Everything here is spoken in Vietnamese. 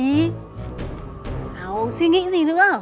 nào suy nghĩ gì nữa